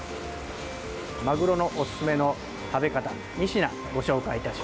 マグロのおすすめの食べ方２品、ご紹介いたします。